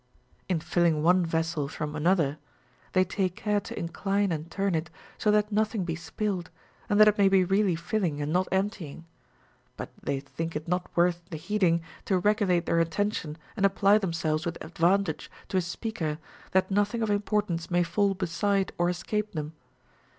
In filling one vessel from another, they take care to in cline and turn it so that nothing be spilled, and that it may be really filling and not emptying ; but they think it not worth the heeding to regulate their attention and apply themselves with advantage to a speaker, that nothing of importance may fall beside or escape them.